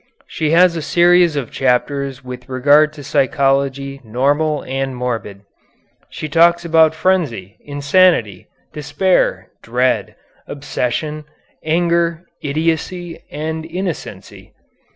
She has a series of chapters with regard to psychology normal and morbid. She talks about frenzy, insanity, despair, dread, obsession, anger, idiocy, and innocency.